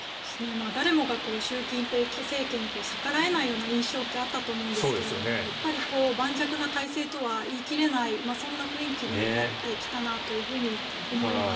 誰もが習近平政権に逆らえないような印象ってあったと思うんですが盤石な体制とは言い切れないそんな雰囲気になってきたなと思います。